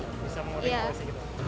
bisa mengurangi polisi gitu